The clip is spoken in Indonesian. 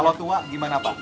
kalau tua gimana pak